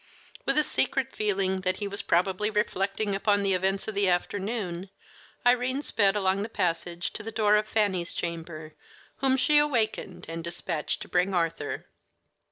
With a secret feeling that he was probably reflecting upon the events of the afternoon, Irene sped along the passage to the door of Fanny's chamber, whom she awakened, and dispatched to bring Arthur.